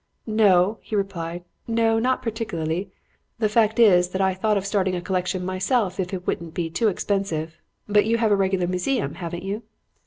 "'No,' he replied. 'No, not particularly. The fact is that I thought of starting a collection myself if it wouldn't be too expensive. But you have a regular museum, haven't you?'